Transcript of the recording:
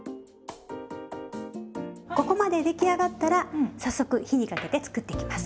ここまで出来上がったら早速火にかけて作っていきます。